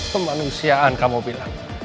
kemanusiaan kamu bilang